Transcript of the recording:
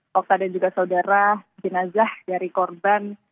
okta dan juga saudara jenazah dari korban